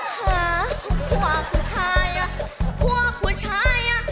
หาของพ่อผู้ชายพ่อผู้ชาย